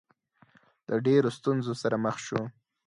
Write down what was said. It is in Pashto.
له ډېرو ستونزو سره مخ شو.